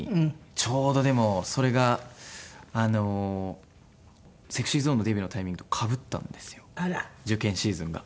ちょうどでもそれがＳｅｘｙＺｏｎｅのデビューのタイミングとかぶったんですよ受験シーズンが。